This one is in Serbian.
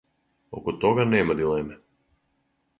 Око тога нема дилеме.